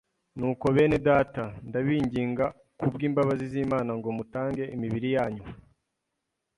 Nuko bene Data, ndabinginga kubw’imbabazi z’Imana ngo mutange imibiri yanyu